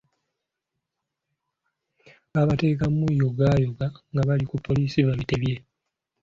Baabateekamu, yogaayoga nga bali ku poliisi babitebya.